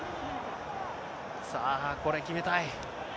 さあ、これ決めたい。